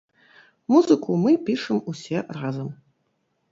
Музыку мы пішам усе разам.